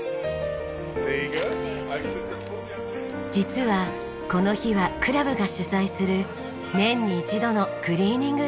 実はこの日はクラブが主催する年に一度のクリーニングデー。